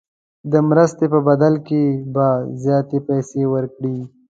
د مرستې په بدل کې به زیاتې پیسې ورکړي.